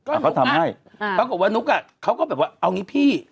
อ่าเขาทำให้ปรากฏว่านุ๊กอ่ะเขาก็แบบว่าเอางี้พี่